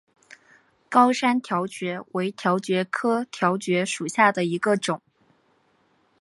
高山条蕨为条蕨科条蕨属下的一个种。